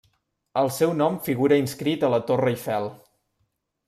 El seu nom figura inscrit a la Torre Eiffel.